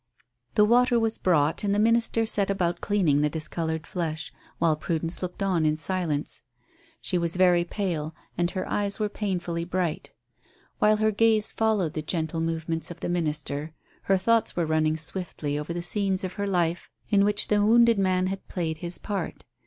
The water was brought, and the minister set about cleaning the discoloured flesh, while Prudence looked on in silence. She was very pale, and her eyes were painfully bright. While her gaze followed the gentle movements of the minister, her thoughts were running swiftly over the scenes of her life in which the wounded man had played his part.